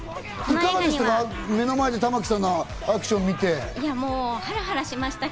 目の前で玉木さんのアクション見てどうだった？